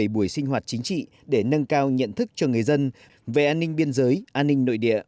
ba trăm hai mươi bảy buổi sinh hoạt chính trị để nâng cao nhận thức cho người dân về an ninh biên giới an ninh nội địa